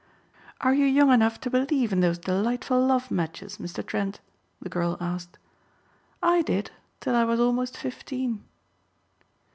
"Are you young enough to believe in those delightful love matches, Mr. Trent?" the girl asked. "I did till I was almost fifteen."